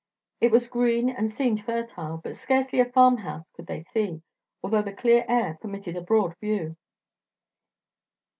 It was green and seemed fertile, but scarcely a farmhouse could they see, although the clear air permitted a broad view.